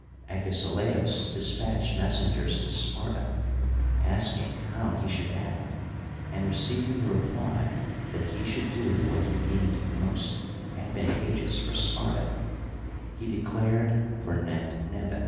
Agesi laos despatched messengers to Sparta asking how he should act, and, receiving the reply that he should do what he deemed most advantageous for Sparta, he declared for Necht nebef.